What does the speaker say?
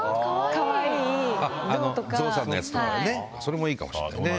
それもいいかもしれないね。